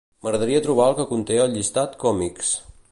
M'agradaria trobar el que conté el llistat "còmics".